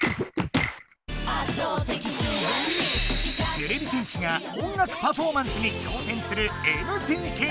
てれび戦士が音楽パフォーマンスに挑戦するＭＴＫ！